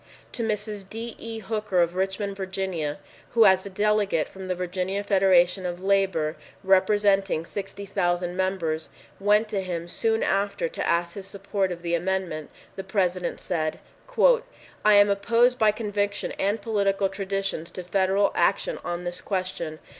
To Mrs. D. E. Hooker of Richmond, Virginia, who as a delegate from the Virginia Federation of Labor, representing 60,000 members, went to him soon after to ask his support of the amendment, the President said, "I am opposed by conviction and political traditions to federal action on this question.